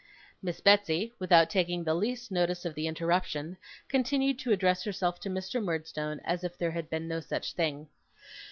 Miss Betsey, without taking the least notice of the interruption, continued to address herself to Mr. Murdstone as if there had been no such thing.